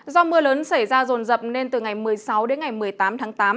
do mưa lớn xảy ra rồn rập nên từ ngày một mươi sáu đến ngày một mươi tám tháng tám